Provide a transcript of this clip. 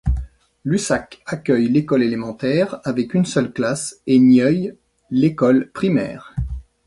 Lussac accueille l'école élémentaire, avec une seule classe, et Nieuil l'école primaire.